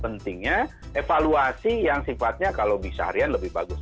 pentingnya evaluasi yang sifatnya kalau bisa harian lebih bagus